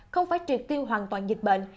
không phải triệt tiêu hoàn toàn dịch bệnh